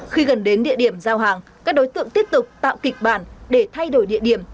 khi gần đến địa điểm giao hàng các đối tượng tiếp tục tạo kịch bản để thay đổi địa điểm